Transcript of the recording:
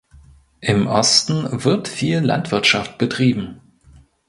Im Osten wird viel Landwirtschaft betrieben.